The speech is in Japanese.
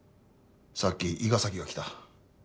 さっき伊賀崎が来た。